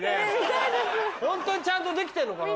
ホントにちゃんとできてんのかな？